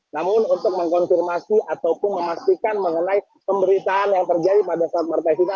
namun untuk mengkonfirmasi ataupun memastikan mengenai pemberitaan yang terjadi pada saat martai sina